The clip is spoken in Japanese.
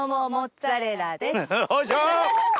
おいしょ！